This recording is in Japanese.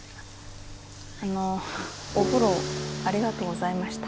あのお風呂ありがとうございました。